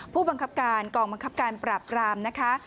ผู้บังคับการกองบังคับการปราบรามนะคะ